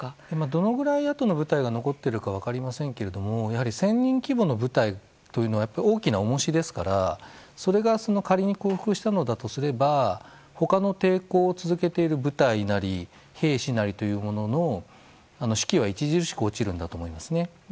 どのぐらいあとの部隊が残っているか分かりませんけれども１０００人規模の部隊というのは大きな重しですからそれが仮に降伏したのだとすれば他の抵抗を続けている部隊なり兵士なりというものの士気は著しく落ちるものだと思いますね。